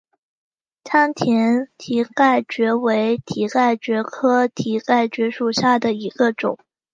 仓田蹄盖蕨为蹄盖蕨科蹄盖蕨属下的一个种。